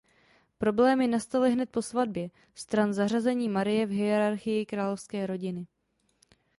Problémy nastaly hned po svatbě stran zařazení Marie v hierarchii královské rodiny.